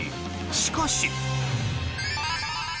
しかし。